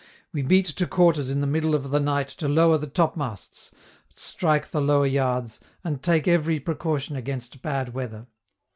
We beat to quarters in the middle of the night to lower the topmasts, strike the lower yards, and take every precaution against bad weather.